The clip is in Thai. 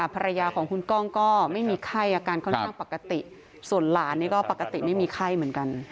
ภรรยาของคุณก้องก็ไม่มีไข้อาการค่อนข้างปกติส่วนหลานนี่ก็ปกติไม่มีไข้เหมือนกัน